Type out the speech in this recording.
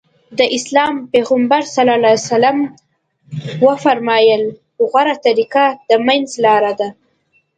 د اسلام پيغمبر ص وفرمايل غوره طريقه د منځ لاره ده.